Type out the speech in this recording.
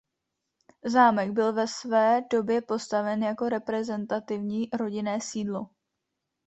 Zámek byl ve své době postaven jako reprezentativní rodinné sídlo.